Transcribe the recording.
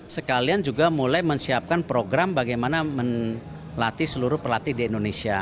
sekalian juga mulai menyiapkan program bagaimana melatih seluruh pelatih di indonesia